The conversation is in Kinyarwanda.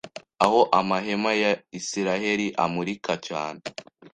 Aho amahema ya Isiraheli amurika cyane